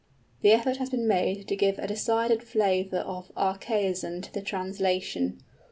The effort has been made to give a decided flavor of archaism to the translation.